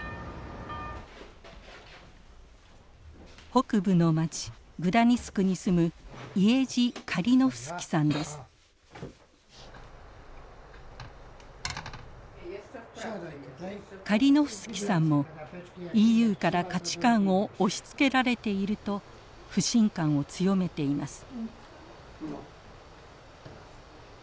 北部の町グダニスクに住むカリノフスキさんもＥＵから価値観を押しつけられていると不信感を強めています。